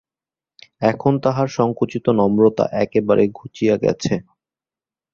এখন তাহার সংকুচিত নম্রতা একেবারে ঘুচিয়া গেছে।